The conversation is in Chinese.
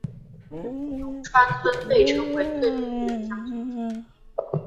龙川村被称为最美丽的乡村之一。